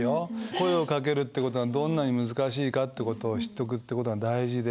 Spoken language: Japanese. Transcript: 声をかけるっていう事はどんなに難しいかって事を知っとくって事は大事で。